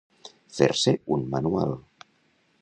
Fer-se un manual.